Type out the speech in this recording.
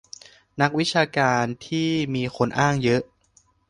นักวิชาการที่มีคนอ้างเยอะ